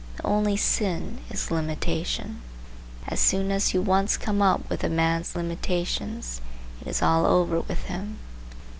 The only sin is limitation. As soon as you once come up with a man's limitations, it is all over with him.